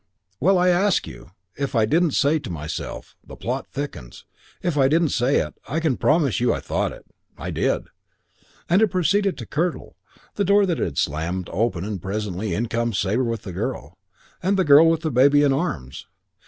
"Well, I ask you! If I didn't say to myself, 'The plot thickens,' if I didn't say it, I can promise you I thought it. I did. And it proceeded to curdle. The door that had slammed opened and presently in comes Sabre with the girl. And the girl with the baby in her arms.